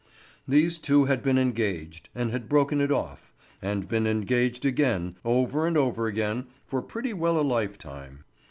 These two had been engaged, and had broken it off, and been engaged again, over and over again for pretty well a lifetime.